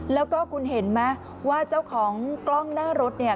แล้วก็คุณเห็นไหมว่าเจ้าของกล้องหน้ารถเนี่ย